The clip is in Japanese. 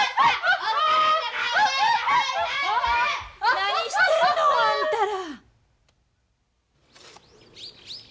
何してんのあんたら！